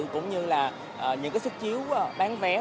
cũng như là những cái xuất chiếu bán vé